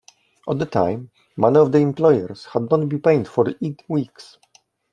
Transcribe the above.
At the time, many of the employees had not been paid for eight weeks.